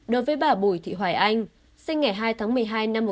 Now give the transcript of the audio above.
đối với bà bùi thị hoài anh sinh ngày hai tháng một mươi hai năm một nghìn chín trăm bảy mươi